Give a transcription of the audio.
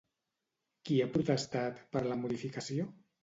Qui ha protestat per la modificació?